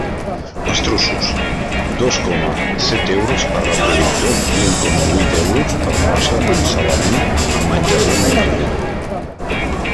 Estruços: dos coma set euros per reproductors i un coma huit euros per plaça encebament en menjadora independent.